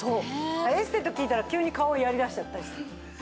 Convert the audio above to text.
エステと聞いたら急に顔をやりだしちゃったりして。